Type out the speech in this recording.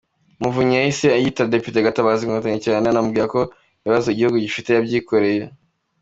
Muvunyi yahise yita Depite Gatabazi ‘Inkotanyi cyane’, anamubwira ko ibibazo igihugu gifite yabyikoreye.